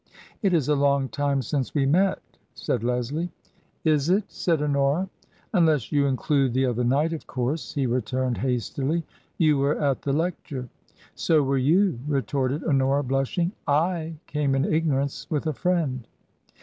It is a long time since we met," said Leslie. " Is it ?" said Honora. " Unless you include the other night, of course," he returned, hastily. " You were at the lecture." " So were you," retorted Honora, blushing ;"/ came in ignorance, with a friend."